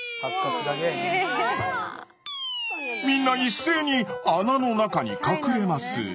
みんな一斉に穴の中に隠れます。